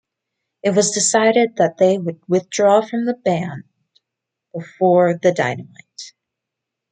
It was decided that they would withdraw from the band before the dynamite!